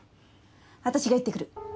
私が行ってくる。